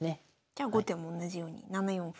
じゃあ後手もおんなじように７四歩で。